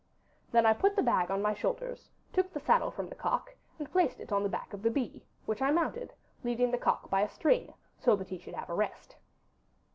Then I put the bag on my shoulders, took the saddle from the cock, and placed it on the back of the bee, which I mounted, leading the cock by a string, so that he should have a rest.